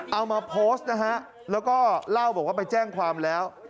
เอามาโพสต์นะฮะแล้วก็เล่าบอกว่าไปแจ้งความแล้ว